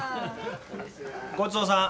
ごちそうさん。